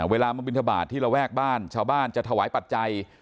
เวลามาบินทบาทที่ระแวกบ้านชาวบ้านจะถวายปัจจัย